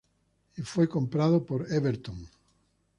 Y fue comprado por Everton.